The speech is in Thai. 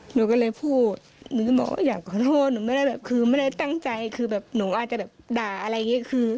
หนูก็เลยพูดหนูก็บอกว่าอยากขอโทษหนูไม่ได้แบบคือไม่ได้ตั้งใจคือแบบหนูอาจจะแบบด่าอะไรอย่างนี้คือ